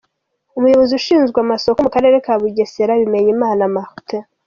Umuyobozi ushinzwe amasoko mu Karere ka Bugesera, Bimenyimana Martin.